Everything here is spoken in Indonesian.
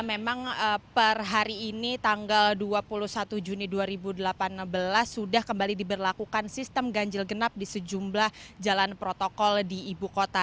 memang per hari ini tanggal dua puluh satu juni dua ribu delapan belas sudah kembali diberlakukan sistem ganjil genap di sejumlah jalan protokol di ibu kota